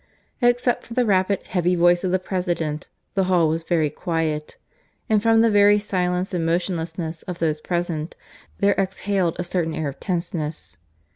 Except for the rapid, heavy voice of the President the hall was very quiet, and from the very silence and motionlessness of those present there exhaled a certain air of tenseness.